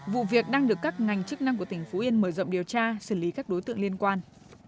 vụ việc đang được các ngành chức năng của tỉnh phú yên mở rộng điều tra xử lý các đối tượng liên quan